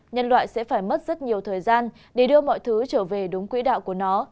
nhân loại sẽ phải mất rất nhiều thời gian để đưa mọi thứ trở về đúng quỹ đạo của nó